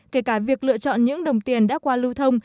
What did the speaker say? kể cả việc lựa chọn những đồng tiền đã qua lưu thông